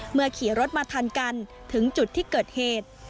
ขี่รถมาทันกันถึงจุดที่เกิดเหตุ